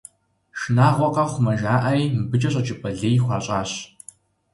Шынагъуэ къэхъумэ, жаӏэри, мыбыкӏэ щӏэкӏыпӏэ лей хуащӏащ.